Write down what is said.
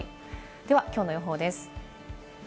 ではきょうの予報です。